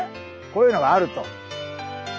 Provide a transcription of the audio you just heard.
こういうのがあると。